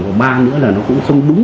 và ba nữa là nó cũng không đúng